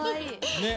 ねっ。